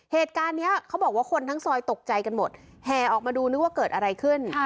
เหตุการณ์นี้เขาบอกว่าคนทั้งซอยตกใจกันหมดแห่ออกมาดูนึกว่าเกิดอะไรขึ้น